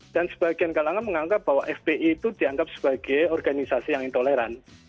dan sebagian kalangan menganggap bahwa fpi itu dianggap sebagai organisasi yang intoleran